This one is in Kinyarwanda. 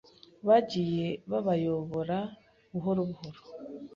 bagiye babayobora buhoro buhoro.